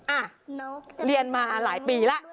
อ่ะน้องเรียนมาหลายปีแล้ว